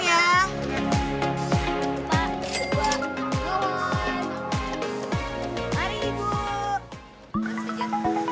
ibu duluan ya